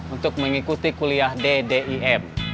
untuk mengikuti kuliah ddim